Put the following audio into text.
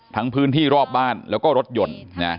พื้นที่รอบบ้านแล้วก็รถยนต์